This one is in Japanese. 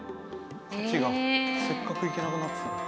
価値がせっかく行けなくなってたのに。